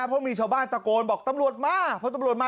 เพราะมีชาวบ้านตะโกนบอกตำรวจมาพอตำรวจมา